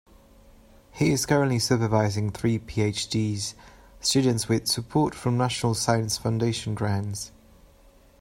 He is currently supervising three Ph.D. students with support from National Science Foundation grants.